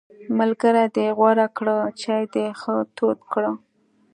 ملګری دې غوره کړه، چای دې ښه تود کړه!